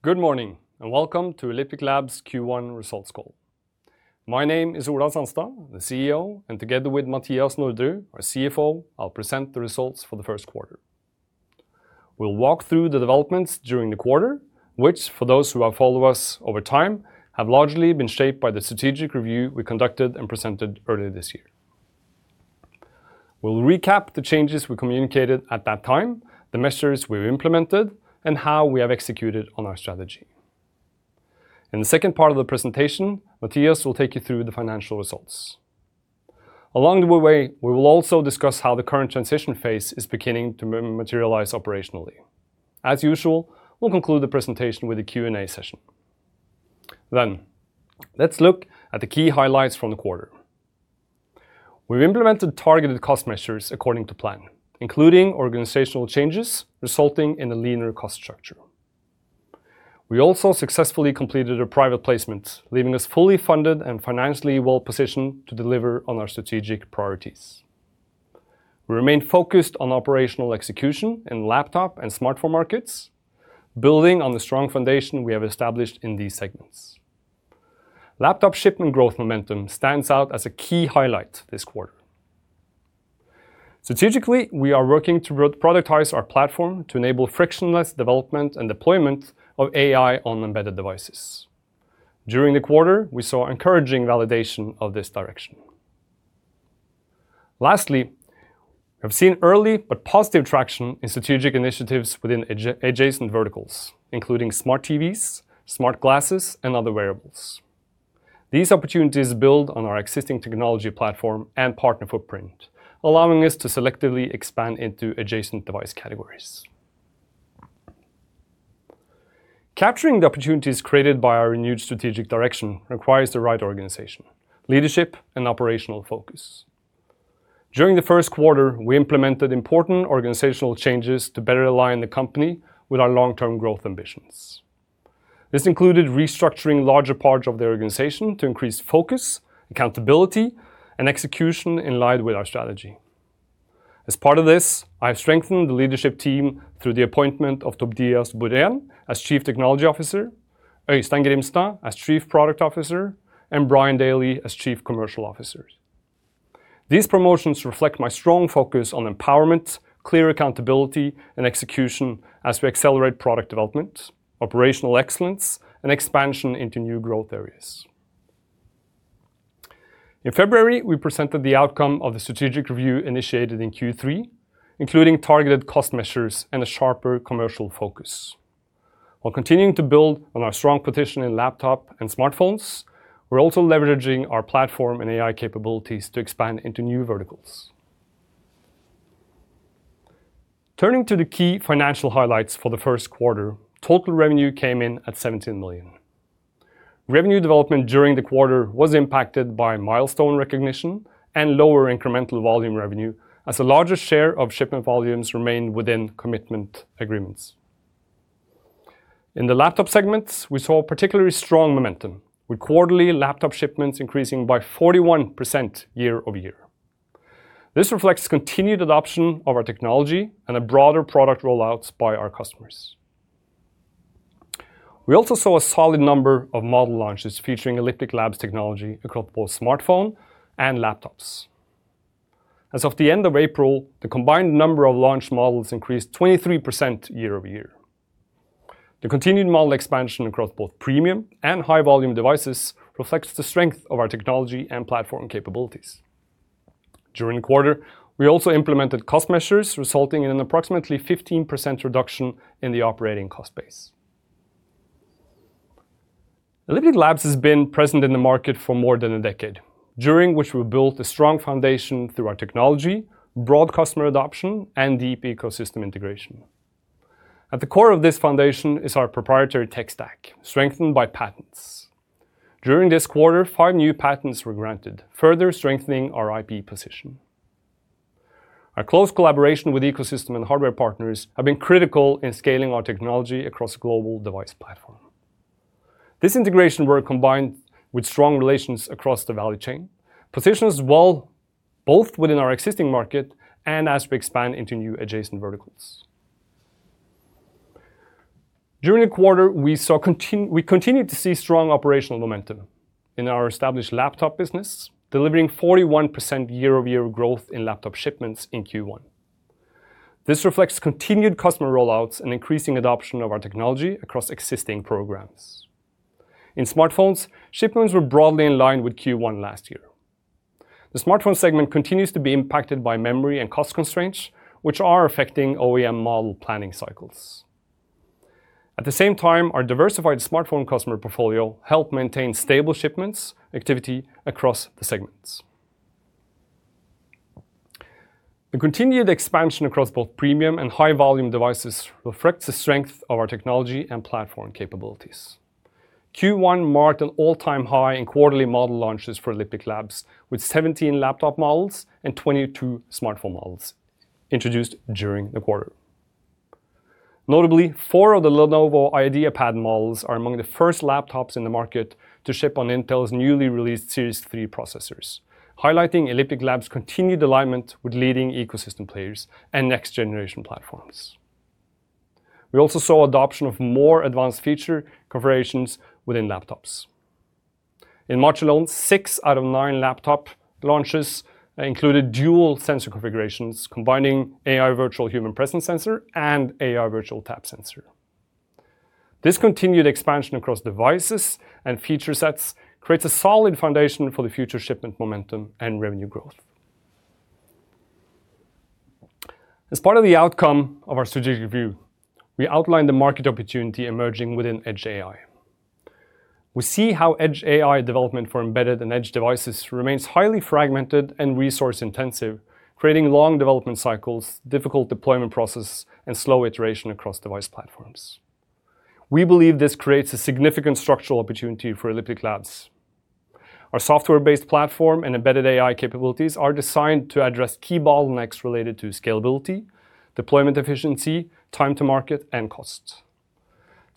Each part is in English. Good morning, and welcome to Elliptic Labs' Q1 results call. My name is Ola Sandstad, the CEO, and together with Mathias Norderud, our CFO, I'll present the results for the first quarter. We'll walk through the developments during the quarter, which, for those who have followed us over time, have largely been shaped by the strategic review we conducted and presented earlier this year. We'll recap the changes we communicated at that time, the measures we've implemented, and how we have executed on our strategy. In the second part of the presentation, Mathias will take you through the financial results. Along the way, we will also discuss how the current transition phase is beginning to materialize operationally. As usual, we'll conclude the presentation with a Q&A session. Let's look at the key highlights from the quarter. We've implemented targeted cost measures according to plan, including organizational changes resulting in a leaner cost structure. We also successfully completed a private placement, leaving us fully funded and financially well-positioned to deliver on our strategic priorities. We remain focused on operational execution in laptop and smartphone markets, building on the strong foundation we have established in these segments. Laptop shipment growth momentum stands out as a key highlight this quarter. Strategically, we are working to productize our platform to enable frictionless development and deployment of AI on embedded devices. During the quarter, we saw encouraging validation of this direction. Lastly, we have seen early but positive traction in strategic initiatives within adjacent verticals, including smart TVs, smart glasses, and other wearables. These opportunities build on our existing technology platform and partner footprint, allowing us to selectively expand into adjacent device categories. Capturing the opportunities created by our renewed strategic direction requires the right organization, leadership, and operational focus. During the first quarter, we implemented important organizational changes to better align the company with our long-term growth ambitions. This included restructuring larger parts of the organization to increase focus, accountability, and execution in line with our strategy. As part of this, I've strengthened the leadership team through the appointment of Tobias Borén as Chief Technology Officer, Øystein Grimstad as Chief Product Officer, and Brian Daly as Chief Commercial Officer. These promotions reflect my strong focus on empowerment, clear accountability, and execution as we accelerate product development, operational excellence, and expansion into new growth areas. In February, we presented the outcome of the strategic review initiated in Q3, including targeted cost measures and a sharper commercial focus. While continuing to build on our strong position in laptop and smartphones, we're also leveraging our platform and AI capabilities to expand into new verticals. Turning to the key financial highlights for the first quarter, total revenue came in at 17 million. Revenue development during the quarter was impacted by milestone recognition and lower incremental volume revenue, as a larger share of shipment volumes remained within commitment agreements. In the laptop segments, we saw particularly strong momentum, with quarterly laptop shipments increasing by 41% year-over-year. This reflects continued adoption of our technology and broader product rollouts by our customers. We also saw a solid number of model launches featuring Elliptic Labs technology across both smartphone and laptops. As of the end of April, the combined number of launched models increased 23% year-over-year. The continued model expansion across both premium and high-volume devices reflects the strength of our technology and platform capabilities. During the quarter, we also implemented cost measures, resulting in an approximately 15% reduction in the operating cost base. Elliptic Labs has been present in the market for more than a decade, during which we've built a strong foundation through our technology, broad customer adoption, and deep ecosystem integration. At the core of this foundation is our proprietary tech stack, strengthened by patents. During this quarter, four new patents were granted, further strengthening our IP position. Our close collaboration with ecosystem and hardware partners have been critical in scaling our technology across global device platform. This integration, when combined with strong relations across the value chain, positions well both within our existing market and as we expand into new adjacent verticals. During the quarter, we continued to see strong operational momentum in our established laptop business, delivering 41% year-over-year growth in laptop shipments in Q1. This reflects continued customer rollouts and increasing adoption of our technology across existing programs. In smartphones, shipments were broadly in line with Q1 last year. The smartphone segment continues to be impacted by memory and cost constraints, which are affecting OEM model planning cycles. At the same time, our diversified smartphone customer portfolio helped maintain stable shipments activity across the segments. The continued expansion across both premium and high-volume devices reflects the strength of our technology and platform capabilities. Q1 marked an all-time high in quarterly model launches for Elliptic Labs, with 17 laptop models and 22 smartphone models introduced during the quarter. Notably, four of the Lenovo IdeaPad models are among the first laptops in the market to ship on Intel's newly released Series 3 processors, highlighting Elliptic Labs' continued alignment with leading ecosystem players and next-generation platforms. We also saw adoption of more advanced feature configurations within laptops. In March alone, six out of nine laptop launches included dual sensor configurations combining AI Virtual Human Presence Sensor and AI Virtual Tap Sensor. This continued expansion across devices and feature sets creates a solid foundation for the future shipment momentum and revenue growth. As part of the outcome of our strategic review, we outlined the market opportunity emerging within edge AI. We see how edge AI development for embedded and edge devices remains highly fragmented and resource-intensive, creating long development cycles, difficult deployment process, and slow iteration across device platforms. We believe this creates a significant structural opportunity for Elliptic Labs. Our software-based platform and embedded AI capabilities are designed to address key bottlenecks related to scalability, deployment efficiency, time to market, and cost.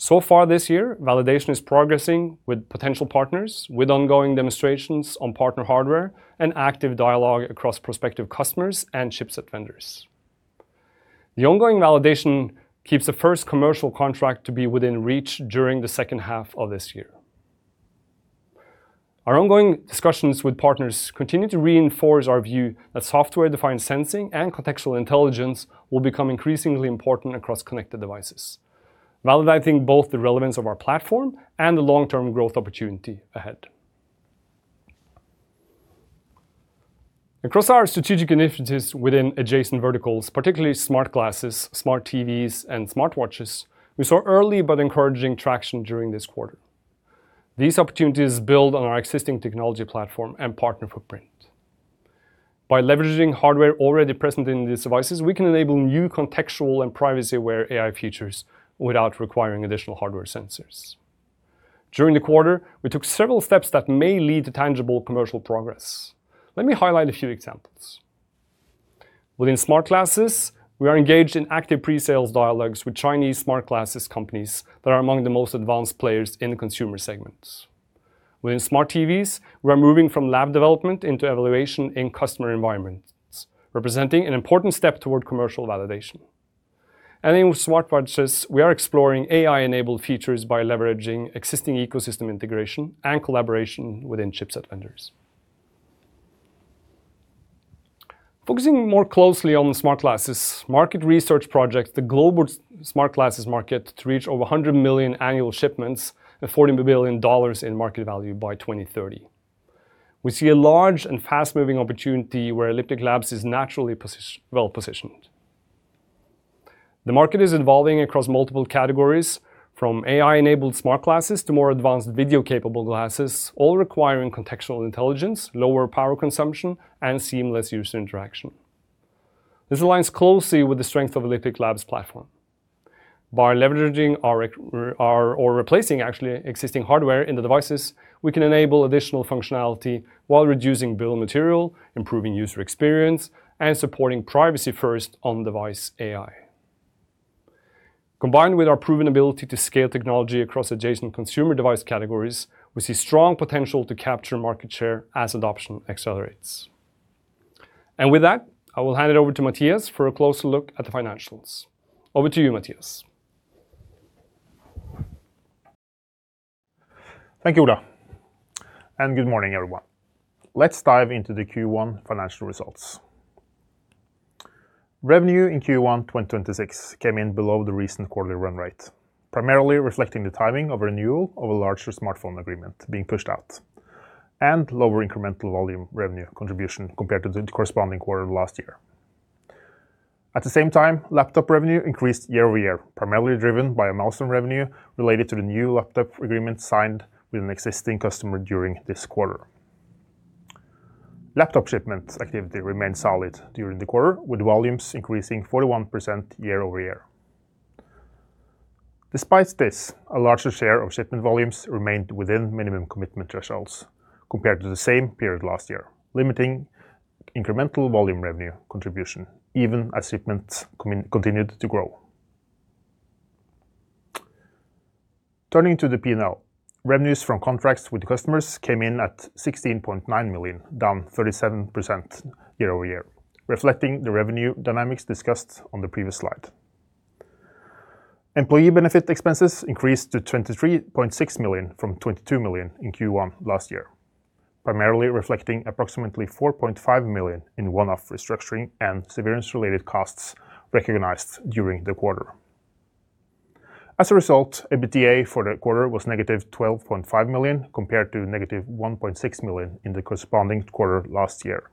So far this year, validation is progressing with potential partners with ongoing demonstrations on partner hardware and active dialogue across prospective customers and chipset vendors. The ongoing validation keeps the first commercial contract to be within reach during the second half of this year. Our ongoing discussions with partners continue to reinforce our view that software-defined sensing and contextual intelligence will become increasingly important across connected devices, validating both the relevance of our platform and the long-term growth opportunity ahead. Across our strategic initiatives within adjacent verticals, particularly smart glasses, smart TVs, and smartwatches, we saw early but encouraging traction during this quarter. These opportunities build on our existing technology platform and partner footprint. By leveraging hardware already present in these devices, we can enable new contextual and privacy-aware AI features without requiring additional hardware sensors. During the quarter, we took several steps that may lead to tangible commercial progress. Let me highlight a few examples. Within smart glasses, we are engaged in active pre-sales dialogues with Chinese smart glasses companies that are among the most advanced players in the consumer segments. Within smart TVs, we are moving from lab development into evaluation in customer environments, representing an important step toward commercial validation. In smartwatches, we are exploring AI-enabled features by leveraging existing ecosystem integration and collaboration within chipset vendors. Focusing more closely on smart glasses, market research projects the global smart glasses market to reach over 100 million annual shipments and $40 billion in market value by 2030. We see a large and fast-moving opportunity where Elliptic Labs is naturally well-positioned. The market is evolving across multiple categories, from AI-enabled smart glasses to more advanced video-capable glasses, all requiring contextual intelligence, lower power consumption, and seamless user interaction. This aligns closely with the strength of Elliptic Labs platform. By leveraging or replacing, actually, existing hardware in the devices, we can enable additional functionality while reducing bill of material, improving user experience, and supporting privacy first on-device AI. Combined with our proven ability to scale technology across adjacent consumer device categories, we see strong potential to capture market share as adoption accelerates. With that, I will hand it over to Mathias for a closer look at the financials. Over to you, Mathias. Thank you, Ola, and good morning, everyone. Let's dive into the Q1 financial results. Revenue in Q1 2026 came in below the recent quarterly run rate, primarily reflecting the timing of renewal of a larger smartphone agreement being pushed out and lower incremental volume revenue contribution compared to the corresponding quarter of last year. At the same time, laptop revenue increased year-over-year, primarily driven by a milestone revenue related to the new laptop agreement signed with an existing customer during this quarter. Laptop shipment activity remained solid during the quarter, with volumes increasing 41% year-over-year. Despite this, a larger share of shipment volumes remained within minimum commitment thresholds compared to the same period last year, limiting incremental volume revenue contribution even as shipments continued to grow. Turning to the P&L, revenues from contracts with customers came in at 16.9 million, down 37% year-over-year, reflecting the revenue dynamics discussed on the previous slide. Employee benefit expenses increased to 23.6 million from 22 million in Q1 last year, primarily reflecting approximately 4.5 million in one-off restructuring and severance-related costs recognized during the quarter. As a result, EBITDA for the quarter was -12.5 million, compared to -1.6 million in the corresponding quarter last year.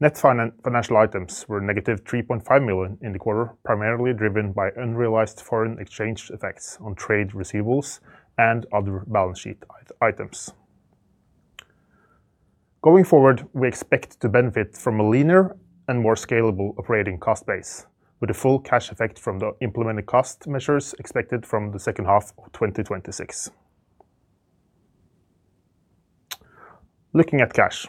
Net financial items were -3.5 million in the quarter, primarily driven by unrealized foreign exchange effects on trade receivables and other balance sheet items. Going forward, we expect to benefit from a leaner and more scalable operating cost base with a full cash effect from the implemented cost measures expected from the second half of 2026. Looking at cash.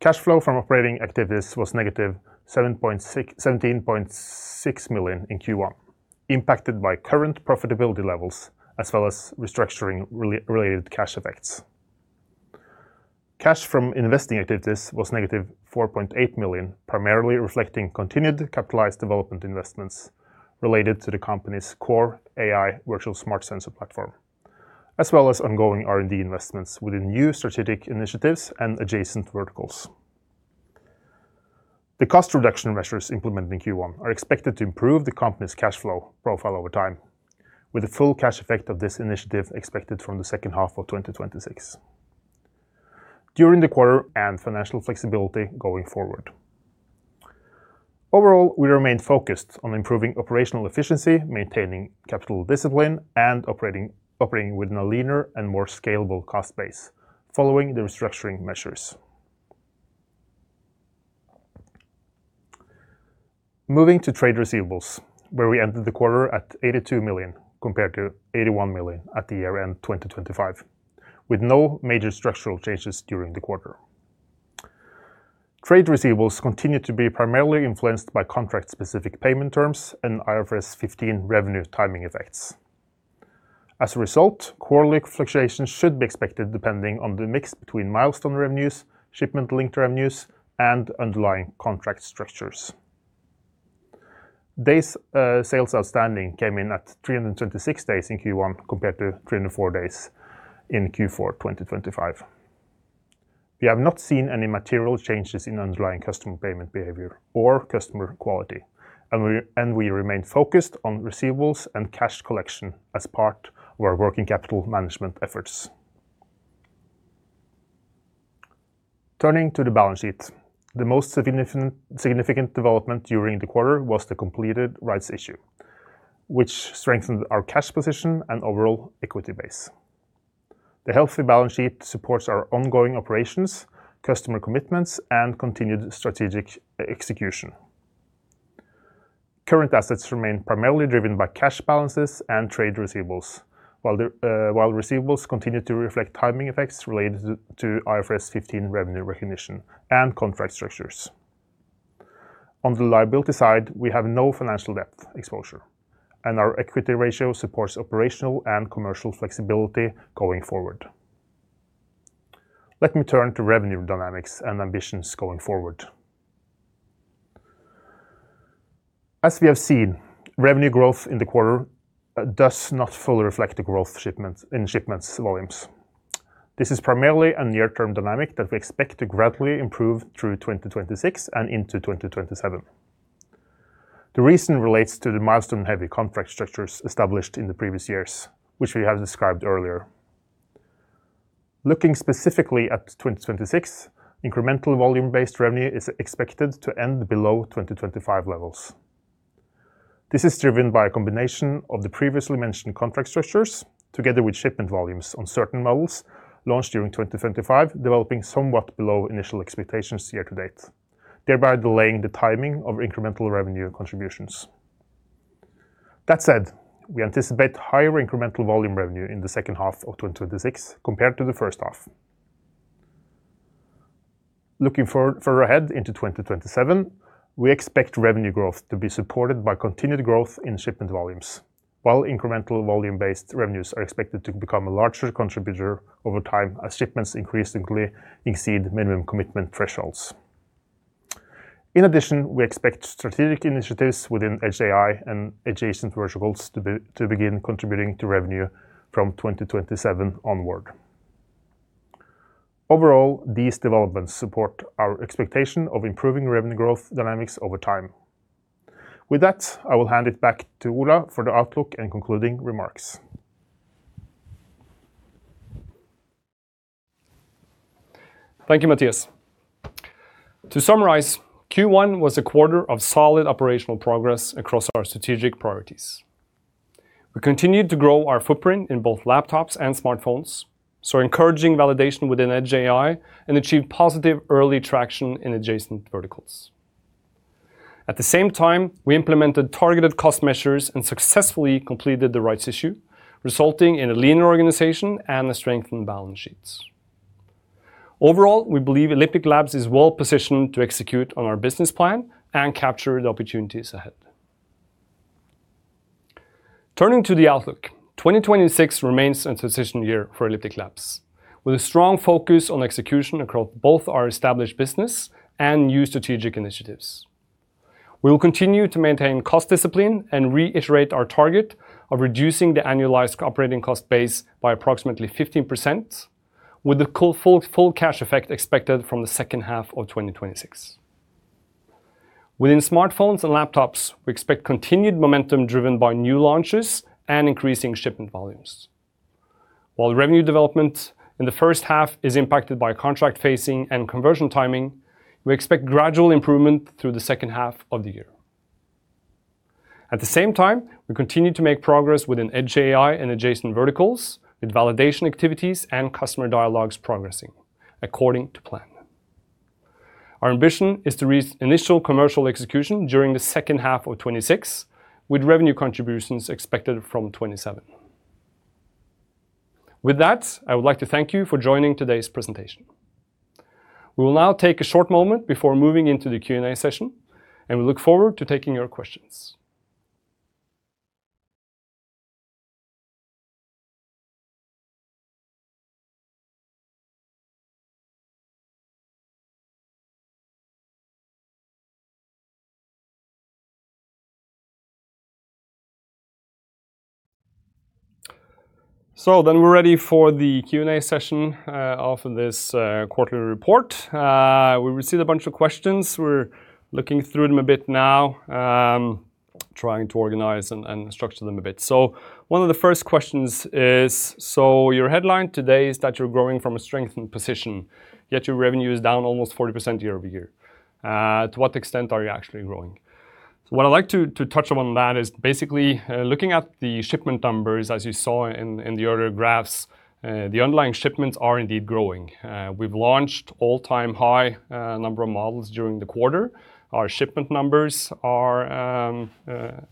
Cash flow from operating activities was -17.6 million in Q1, impacted by current profitability levels as well as restructuring-related cash effects. Cash from investing activities was -4.8 million, primarily reflecting continued capitalized development investments related to the company's core AI Virtual Smart Sensor Platform, as well as ongoing R&D investments within new strategic initiatives and adjacent verticals. The cost reduction measures implemented in Q1 are expected to improve the company's cash flow profile over time, with the full cash effect of this initiative expected from the second half of 2026. During the quarter and financial flexibility going forward. Overall, we remain focused on improving operational efficiency, maintaining capital discipline, and operating within a leaner and more scalable cost base, following the restructuring measures. Moving to trade receivables, where we ended the quarter at 82 million compared to 81 million at the year-end 2025, with no major structural changes during the quarter. Trade receivables continue to be primarily influenced by contract-specific payment terms and IFRS 15 revenue timing effects. As a result, quarterly fluctuations should be expected depending on the mix between milestone revenues, shipment-linked revenues, and underlying contract structures. Days sales outstanding came in at 326 days in Q1 compared to 304 days in Q4 2025. We have not seen any material changes in underlying customer payment behavior or customer quality, and we remain focused on receivables and cash collection as part of our working capital management efforts. Turning to the balance sheet, the most significant development during the quarter was the completed rights issue, which strengthened our cash position and overall equity base. The healthy balance sheet supports our ongoing operations, customer commitments, and continued strategic execution. Current assets remain primarily driven by cash balances and trade receivables, while receivables continue to reflect timing effects related to IFRS 15 revenue recognition and contract structures. On the liability side, we have no financial debt exposure, and our equity ratio supports operational and commercial flexibility going forward. Let me turn to revenue dynamics and ambitions going forward. As we have seen, revenue growth in the quarter does not fully reflect the growth in shipments volumes. This is primarily a near-term dynamic that we expect to gradually improve through 2026 and into 2027. The reason relates to the milestone-heavy contract structures established in the previous years, which we have described earlier. Looking specifically at 2026, incremental volume-based revenue is expected to end below 2025 levels. This is driven by a combination of the previously mentioned contract structures, together with shipment volumes on certain models launched during 2025, developing somewhat below initial expectations year-to-date, thereby delaying the timing of incremental revenue contributions. That said, we anticipate higher incremental volume revenue in the second half of 2026 compared to the first half. Looking further ahead into 2027, we expect revenue growth to be supported by continued growth in shipment volumes, while incremental volume-based revenues are expected to become a larger contributor over time as shipments increasingly exceed minimum commitment thresholds. In addition, we expect strategic initiatives within edge AI and adjacent verticals to begin contributing to revenue from 2027 onward. Overall, these developments support our expectation of improving revenue growth dynamics over time. With that, I will hand it back to Ola for the outlook and concluding remarks. Thank you, Mathias. To summarize, Q1 was a quarter of solid operational progress across our strategic priorities. We continued to grow our footprint in both laptops and smartphones, saw encouraging validation within edge AI, and achieved positive early traction in adjacent verticals. At the same time, we implemented targeted cost measures and successfully completed the rights issue, resulting in a leaner organization and a strengthened balance sheet. Overall, we believe Elliptic Labs is well-positioned to execute on our business plan and capture the opportunities ahead. Turning to the outlook, 2026 remains a transition year for Elliptic Labs, with a strong focus on execution across both our established business and new strategic initiatives. We will continue to maintain cost discipline and reiterate our target of reducing the annualized operating cost base by approximately 15%, with the full cash effect expected from the second half of 2026. Within smartphones and laptops, we expect continued momentum driven by new launches and increasing shipment volumes. While revenue development in the first half is impacted by contract phasing and conversion timing, we expect gradual improvement through the second half of the year. At the same time, we continue to make progress within edge AI and adjacent verticals, with validation activities and customer dialogues progressing according to plan. Our ambition is to reach initial commercial execution during the second half of 2026, with revenue contributions expected from 2027. With that, I would like to thank you for joining today's presentation. We will now take a short moment before moving into the Q&A session, and we look forward to taking your questions. We are ready for the Q&A session of this quarterly report. We received a bunch of questions. We're looking through them a bit now, trying to organize and structure them a bit. One of the first questions is: Your headline today is that you're growing from a strengthened position, yet your revenue is down almost 40% year-over-year. To what extent are you actually growing? What I'd like to touch upon that is basically looking at the shipment numbers as you saw in the earlier graphs, the underlying shipments are indeed growing. We've launched all-time high number of models during the quarter. Our shipment numbers are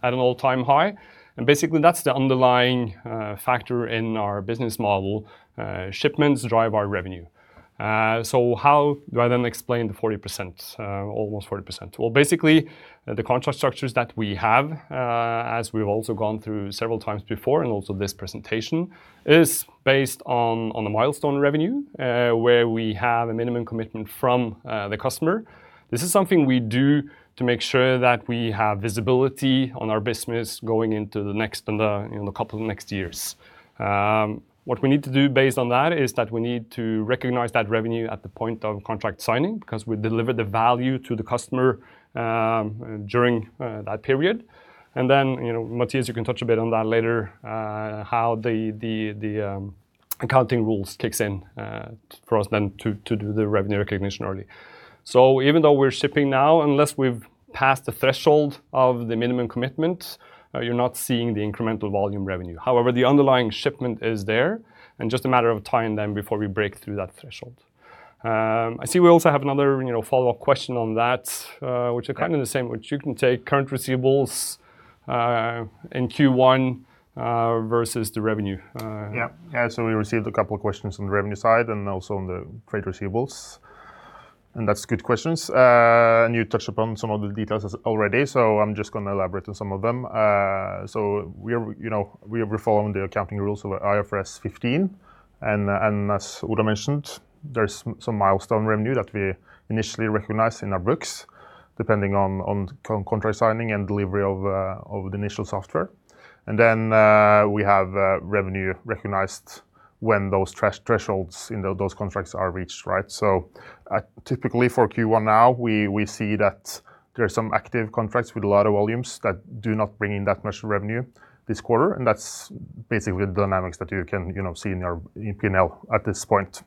at an all-time high, and basically that's the underlying factor in our business model. Shipments drive our revenue. How do I then explain the almost 40%? Well, basically, the contract structures that we have, as we've also gone through several times before and also this presentation, is based on the milestone revenue, where we have a minimum commitment from the customer. This is something we do to make sure that we have visibility on our business going into the next couple of years. What we need to do based on that is that we need to recognize that revenue at the point of contract signing because we deliver the value to the customer during that period. Then, Mathias, you can touch a bit on that later, how the accounting rules kicks in for us then to do the revenue recognition early. Even though we're shipping now, unless we've passed the threshold of the minimum commitment, you're not seeing the incremental volume revenue. However, the underlying shipment is there and just a matter of time then before we break through that threshold. I see we also have another follow-up question on that, which are kind of the same, which you can take current receivables in Q1 versus the revenue. Yeah. We received a couple of questions on the revenue side and also on the trade receivables, and that's good questions. You touched upon some of the details already, I'm just going to elaborate on some of them. We have reformed the accounting rules of IFRS 15, as Ola mentioned, there's some milestone revenue that we initially recognize in our books, depending on contract signing and delivery of the initial software. We have revenue recognized when those thresholds in those contracts are reached, right? Typically for Q1 now, we see that there are some active contracts with a lot of volumes that do not bring in that much revenue this quarter, that's basically the dynamics that you can see in our P&L at this point.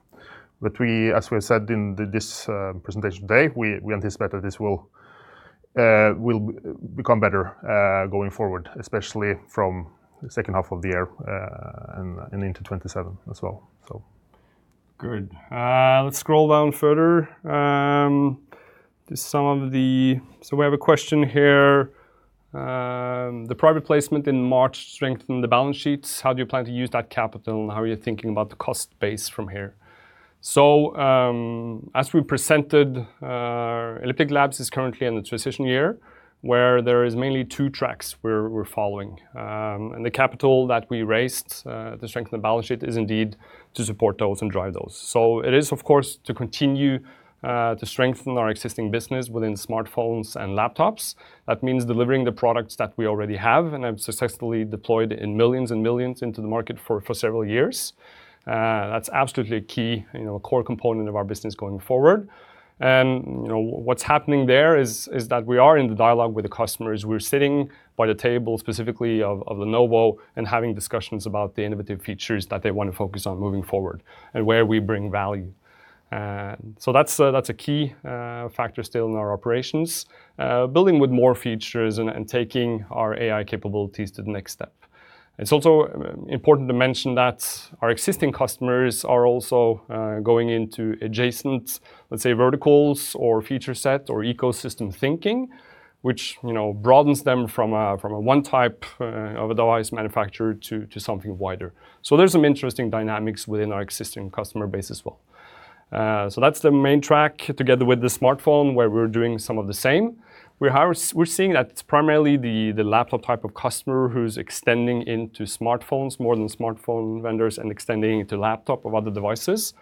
As we said in this presentation today, we anticipate that this will become better going forward, especially from the second half of the year and into 2027 as well. Good. Let's scroll down further. We have a question here: The private placement in March strengthened the balance sheets. How do you plan to use that capital, and how are you thinking about the cost base from here? As we presented, Elliptic Labs is currently in the transition year, where there is mainly two tracks we're following. The capital that we raised to strengthen the balance sheet is indeed to support those and drive those. It is, of course, to continue to strengthen our existing business within smartphones and laptops. That means delivering the products that we already have and have successfully deployed in millions and millions into the market for several years. That's absolutely a key core component of our business going forward. What's happening there is that we are in the dialogue with the customers. We're sitting by the table specifically of Lenovo and having discussions about the innovative features that they want to focus on moving forward and where we bring value. That's a key factor still in our operations, building with more features and taking our AI capabilities to the next step. It's also important to mention that our existing customers are also going into adjacent, let's say, verticals or feature set or ecosystem thinking, which broadens them from a one type of a device manufacturer to something wider. There's some interesting dynamics within our existing customer base as well. That's the main track together with the smartphone, where we're doing some of the same. We're seeing that it's primarily the laptop type of customer who's extending into smartphones more than smartphone vendors and extending into laptop of other devices,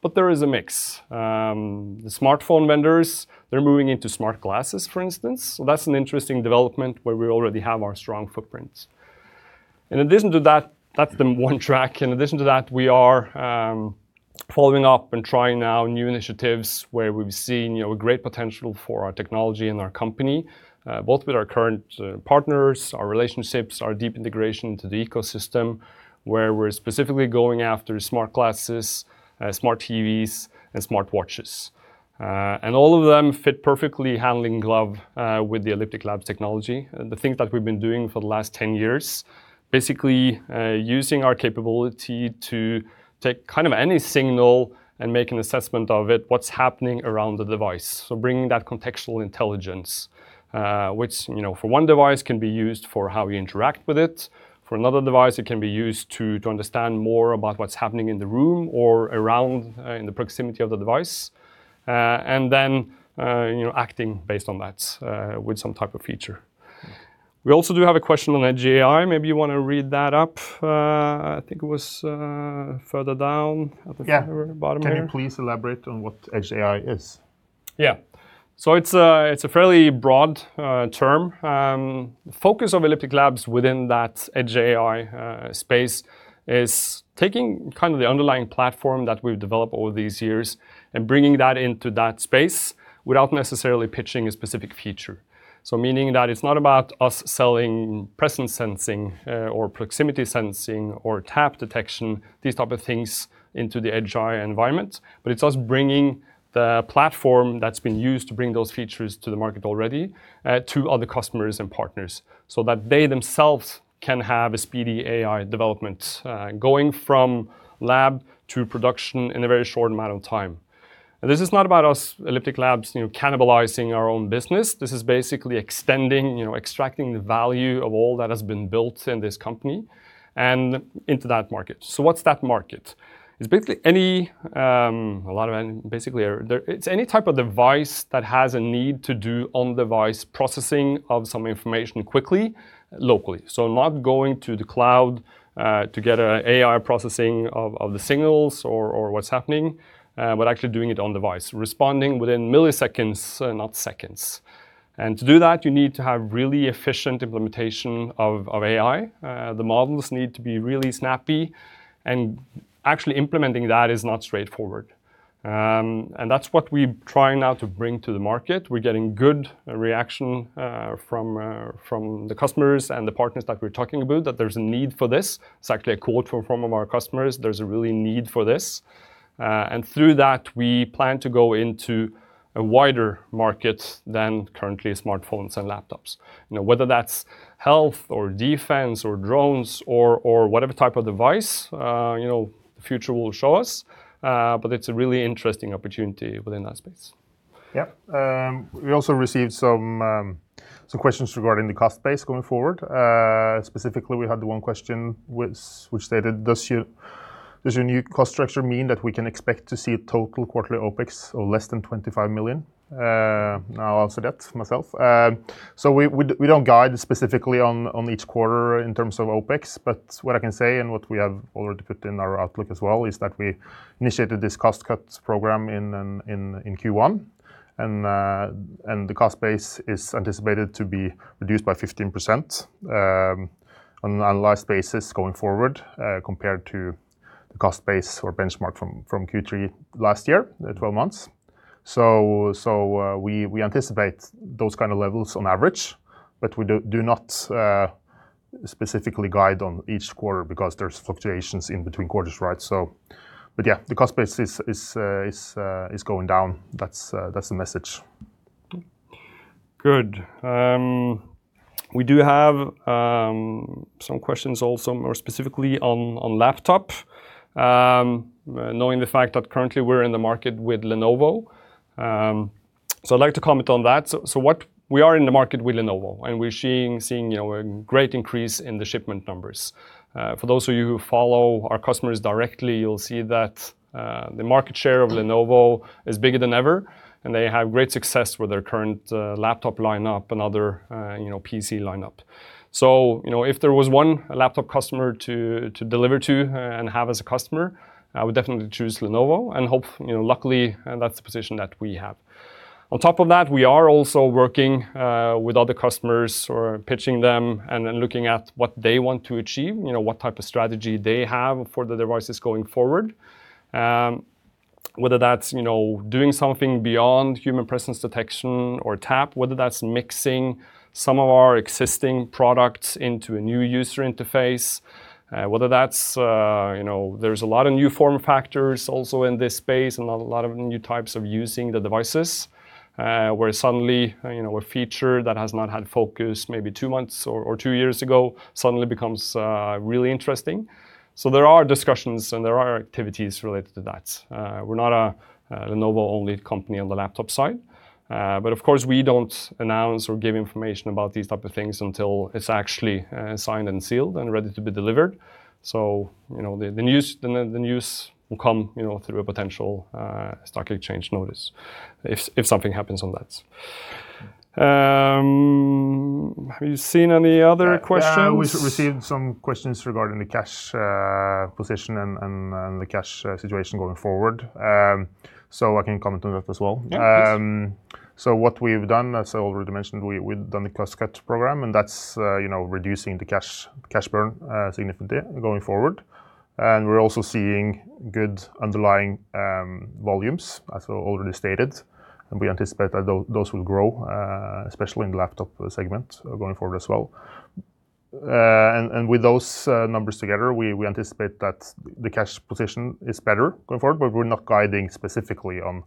but there is a mix. The smartphone vendors, they're moving into smart glasses, for instance. That's an interesting development where we already have our strong footprints. In addition to that's the one track. In addition to that, we are following up and trying now new initiatives where we've seen a great potential for our technology and our company, both with our current partners, our relationships, our deep integration into the ecosystem, where we're specifically going after smart glasses, smart TVs, and smart watches. All of them fit perfectly hand in glove with the Elliptic Labs technology and the things that we've been doing for the last 10 years, basically using our capability to take kind of any signal and make an assessment of it, what's happening around the device. Bringing that contextual intelligence, which for one device can be used for how you interact with it. For another device, it can be used to understand more about what's happening in the room or around in the proximity of the device, and then acting based on that with some type of feature. We also do have a question on edge AI. Maybe you want to read that up. I think it was further down at the bottom here. Can you please elaborate on what edge AI is? Yeah. It's a fairly broad term. Focus of Elliptic Labs within that edge AI space is taking the underlying platform that we've developed over these years and bringing that into that space without necessarily pitching a specific feature. Meaning that it's not about us selling presence sensing or proximity sensing or tap detection, these type of things, into the edge AI environment. It's us bringing the platform that's been used to bring those features to the market already to other customers and partners so that they themselves can have a speedy AI development, going from lab to production in a very short amount of time. This is not about us, Elliptic Labs, cannibalizing our own business. This is basically extending, extracting the value of all that has been built in this company and into that market. What's that market? It's any type of device that has a need to do on-device processing of some information quickly, locally. Not going to the cloud, to get AI processing of the signals or what's happening, but actually doing it on device, responding within milliseconds, not seconds. To do that, you need to have really efficient implementation of AI. The models need to be really snappy and actually, implementing that is not straightforward. That's what we're trying now to bring to the market. We're getting good reaction from the customers and the partners that we're talking with, that there's a need for this. It's actually a quote from one of our customers, there's a really need for this. Through that, we plan to go into a wider market than currently smartphones and laptops. Whether that's health or defense or drones or whatever type of device, the future will show us. It's a really interesting opportunity within that space. Yep. We also received some questions regarding the cost base going forward. Specifically, we had the one question which stated: Does your new cost structure mean that we can expect to see total quarterly OpEx of less than 25 million? I'll answer that myself. We don't guide specifically on each quarter in terms of OpEx, but what I can say, and what we have already put in our outlook as well, is that we initiated this cost cuts program in Q1, and the cost base is anticipated to be reduced by 15% on an annualized basis going forward, compared to the cost base or benchmark from Q3 last year, the 12 months. We anticipate those kind of levels on average, but we do not specifically guide on each quarter because there's fluctuations in between quarters. Yeah, the cost base is going down. That's the message. Good. We do have some questions also, more specifically on laptop. Knowing the fact that currently we're in the market with Lenovo. I'd like to comment on that. We are in the market with Lenovo, and we're seeing a great increase in the shipment numbers. For those of you who follow our customers directly, you'll see that the market share of Lenovo is bigger than ever, and they have great success with their current laptop lineup and other PC lineup. If there was one laptop customer to deliver to and have as a customer, I would definitely choose Lenovo and luckily, that's the position that we have. On top of that, we are also working with other customers or pitching them and then looking at what they want to achieve, what type of strategy they have for the devices going forward. Whether that's doing something beyond Human Presence Detection or tap, whether that's mixing some of our existing products into a new user interface. There's a lot of new form factors also in this space, and a lot of new types of using the devices, where suddenly, a feature that has not had focus maybe two months or two years ago suddenly becomes really interesting. There are discussions and there are activities related to that. We're not a Lenovo-only company on the laptop side. Of course, we don't announce or give information about these type of things until it's actually signed and sealed and ready to be delivered. The news will come through a potential stock exchange notice if something happens on that. Have you seen any other questions? We received some questions regarding the cash position and the cash situation going forward. I can comment on that as well. Yeah, please. What we've done, as I already mentioned, we've done the cost cut program, and that's reducing the cash burn significantly going forward. We're also seeing good underlying volumes, as already stated, and we anticipate that those will grow, especially in the laptop segment, going forward as well. With those numbers together, we anticipate that the cash position is better going forward, but we're not guiding specifically on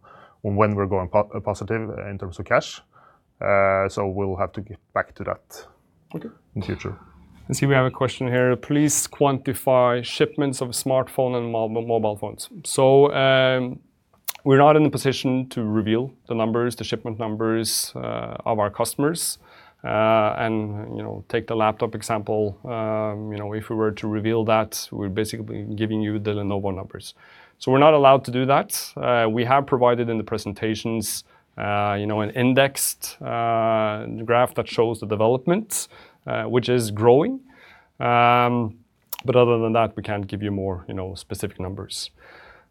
when we're going positive in terms of cash. We'll have to get back to that in the future. I see we have a question here: Please quantify shipments of smartphone and mobile phones. We're not in the position to reveal the numbers, the shipment numbers of our customers. Take the laptop example, if we were to reveal that, we're basically giving you the Lenovo numbers. We're not allowed to do that. We have provided in the presentations an indexed graph that shows the development, which is growing. Other than that, we can't give you more specific numbers.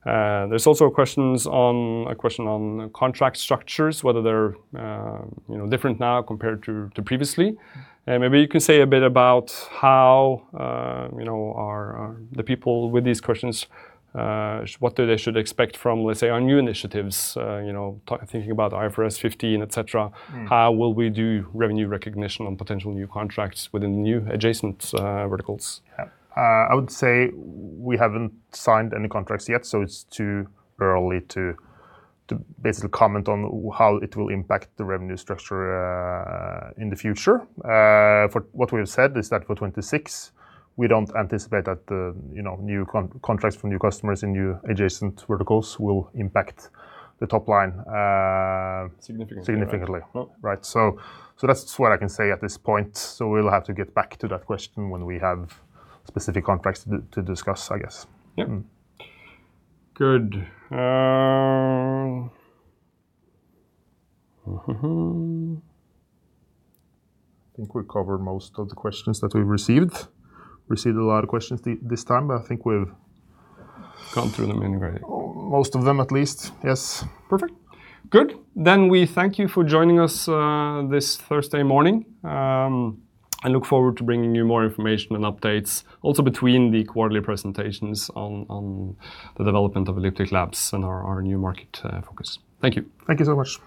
There's also a question on contract structures, whether they're different now compared to previously. Maybe you can say a bit about how the people with these questions, what they should expect from, let's say, our new initiatives, thinking about IFRS 15, et cetera. How will we do revenue recognition on potential new contracts within new adjacent verticals? I would say we haven't signed any contracts yet, so it's too early to basically comment on how it will impact the revenue structure in the future. What we have said is that for 2026, we don't anticipate that new contracts from new customers in new adjacent verticals will impact the top line significantly. That's what I can say at this point. We'll have to get back to that question when we have specific contracts to discuss, I guess. Yep. Good. I think we covered most of the questions that we've received. Received a lot of questions this time. Gone through them anyway. Most of them at least. Yes. Perfect. Good. We thank you for joining us this Thursday morning. I look forward to bringing you more information and updates, also between the quarterly presentations on the development of Elliptic Labs and our new market focus. Thank you. Thank you so much.